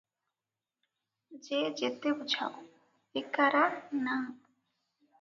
ଯେ ଯେତେ ବୁଝାଉ, ଏକା ରା - ନା ।